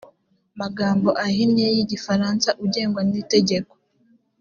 magambo ahinnye y igifaransa ugengwa n itegeko